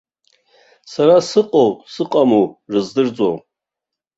Сара сыҟоу сыҟаму рыздырӡом.